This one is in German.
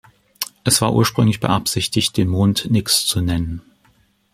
Es war ursprünglich beabsichtigt, den Mond "Nyx" zu nennen.